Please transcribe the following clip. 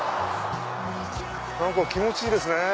何か気持ちいいですね！